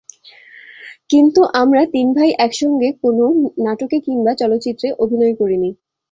কিন্তু আমরা তিন ভাই একসঙ্গে কোনো নাটকে কিংবা চলচ্চিত্রে অভিনয় করিনি।